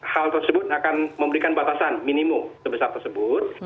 hal tersebut akan memberikan batasan minimum sebesar tersebut